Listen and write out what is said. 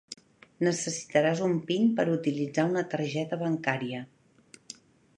Necessitaràs un PIN per utilitzar una targeta bancària